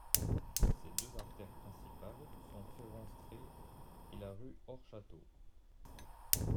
Ses deux artères principales sont Féronstrée et la rue Hors-Château.